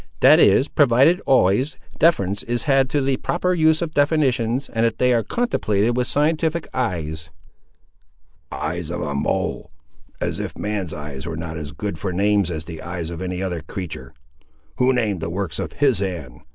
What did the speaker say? "That is, provided always, deference is had to the proper use of definitions, and that they are contemplated with scientific eyes." "Eyes of a mole! as if man's eyes were not as good for names as the eyes of any other creatur'! Who named the works of His hand?